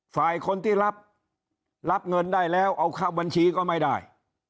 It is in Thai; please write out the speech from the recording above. ฝ่ายคนที่รับรับเงินได้แล้วเอาเข้าบัญชีก็ไม่ได้